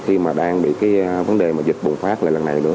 khi mà đang bị cái vấn đề mà dịch bùng phát lại lần này nữa